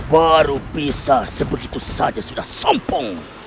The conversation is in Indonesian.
baru bisa sebegitu saja sudah sompong